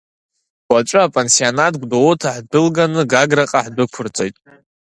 Уаҵәы апансионат Гәдоуҭа ҳдәылганы Гаграҟа ҳдәықәырҵоит.